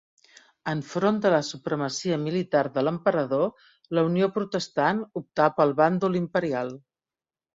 Enfront de la supremacia militar de l'emperador, la Unió protestant optà pel bàndol imperial.